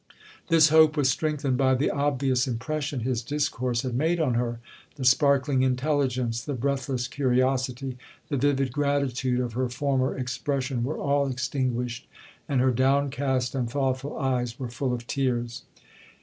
This hope was strengthened by the obvious impression his discourse had made on her. The sparkling intelligence,—the breathless curiosity,—the vivid gratitude of her former expression,—were all extinguished, and her down cast and thoughtful eyes were full of tears.